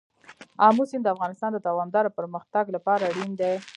آمو سیند د افغانستان د دوامداره پرمختګ لپاره اړین دي.